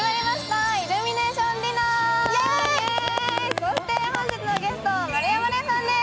そして本日のゲスト、丸山礼さんでーす。